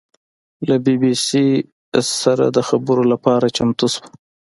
له بي بي سي سره د خبرو لپاره چمتو شوه.